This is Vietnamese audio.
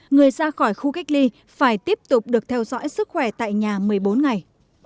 người ra khỏi khu cách ly phải tiếp tục được theo dõi sức khỏe tại nhà một mươi bốn ngày